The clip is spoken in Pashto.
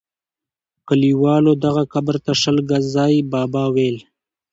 کلیوالو دغه قبر ته شل ګزی بابا ویل.